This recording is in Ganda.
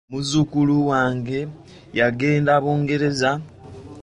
Muzzukulu wange yagenda Bungereza.